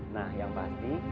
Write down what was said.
nah yang pasti